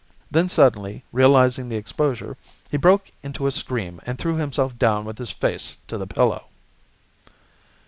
Then suddenly realising the exposure, he broke into a scream and threw himself down with his face to the pillow.